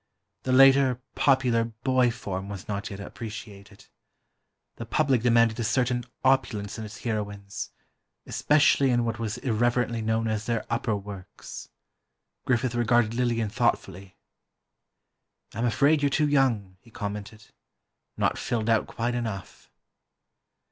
The later, popular "boy form" was not yet appreciated. The public demanded a certain opulence in its heroines, especially in what was irreverently known as their "upper works." Griffith regarded Lillian thoughtfully. "I'm afraid you're too young," he commented; "not filled out quite enough."